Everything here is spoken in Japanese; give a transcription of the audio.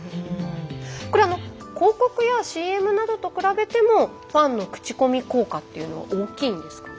これ広告やＣＭなどと比べてもファンの口コミ効果っていうのは大きいんですかね。